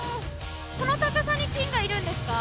この高さに菌がいるんですか？